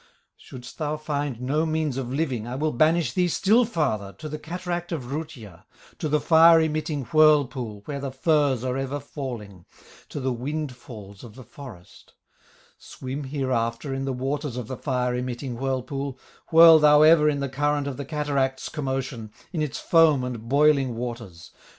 "Shouldst thou find no means of living, I will banish thee still farther, To the cataract of Rutya, To the fire emitting whirlpool, Where the firs are ever falling, To the windfalls of the forest; Swim hereafter in the waters Of the fire emitting whirlpool, Whirl thou ever in the current Of the cataract's commotion, In its foam and boiling waters.